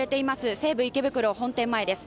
西武池袋本店前です